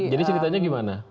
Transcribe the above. jadi ceritanya gimana